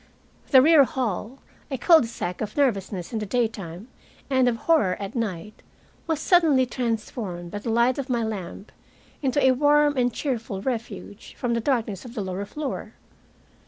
The rear hall, a cul de sac of nervousness in the daytime and of horror at night, was suddenly transformed by the light of my lamp into a warm and cheerful refuge from the darkness of the lower floor.